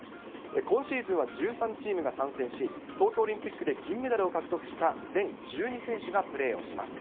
今シーズンは１３チームが参戦し、東京オリンピックで銀メダルを獲得した全１２選手がプレーします。